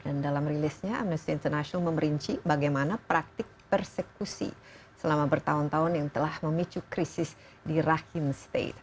dan dalam rilisnya amnesty international memerinci bagaimana praktik persekusi selama bertahun tahun yang telah memicu krisis di rahim state